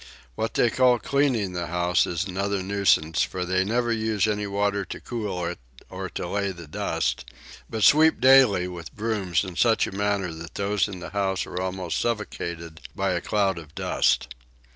What they call cleaning the house is another nuisance; for they never use any water to cool it or to lay the dust, but sweep daily with brooms in such a manner that those in the house are almost suffocated by a cloud of dust.